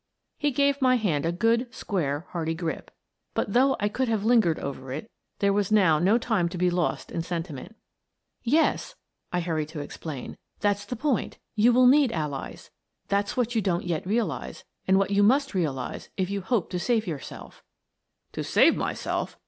He gave my hand a good, square, hearty grip, but, though I could have lingered over it, there was now no time to be lost in sentiment. " Yes," I hurried to explain, " that's the point You will need allies. That's what you don't yet realize, and what you must realize if you hope to save yourself." " To save myself!